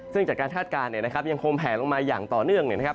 ซึ่งจากการคาดการณ์เนี่ยนะครับยังคงแผลลงมาอย่างต่อเนื่องเนี่ยนะครับ